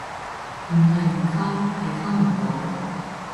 唔係唔溝，係溝唔到